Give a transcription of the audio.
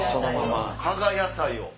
加賀野菜を。